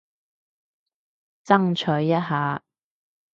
爭取一下